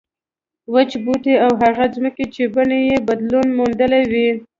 وچ بوټي او هغه ځمکې چې بڼې یې بدلون موندلی وي.